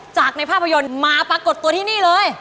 จากในภาพยนตร์มาปรากฏตัวที่นี่เลย